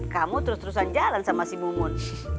kamu terus terusan jalan sama si mumun